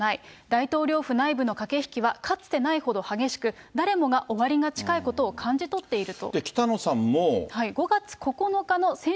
大統領府内部の駆け引きは、かつてないほど激しく、誰もが終わりが近いことを感じ取っていると。